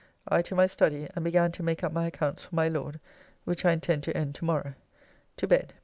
I to my study, and began to make up my accounts for my Lord, which I intend to end tomorrow. To bed.